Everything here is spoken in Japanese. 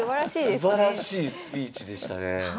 すばらしいスピーチでしたね。